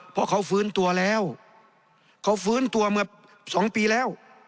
เพราะเขาฟื้นตัวแล้วเขาฟื้นตัวเมื่อสองปีแล้ว